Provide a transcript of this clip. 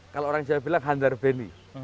kalau orang jawa bilang handarbeni